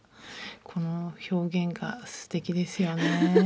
この表現がすてきですよね。